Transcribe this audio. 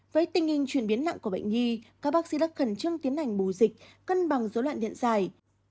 với tình hình chuyển biến nặng của bệnh nhi các bác sĩ đã khẩn trương tiến hành bù dịch cân bằng dối loạn điện dài